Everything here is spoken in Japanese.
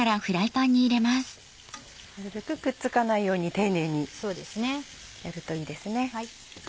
なるべくくっつかないように丁寧にやるといいですね。